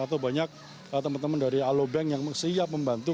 atau banyak teman teman dari alobank yang siap membantu